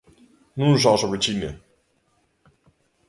Non só sobre China.